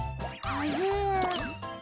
あれ？